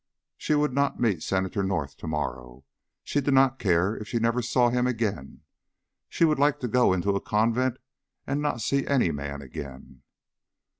She would not meet Senator North to morrow. She did not care if she never saw him again. She would like to go into a convent and not see any man again.